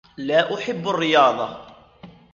لا أحب الرياضة.